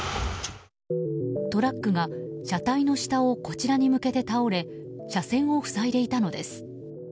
トラックが車体の下をこちらに向けて倒れ車線を塞いでいたのです。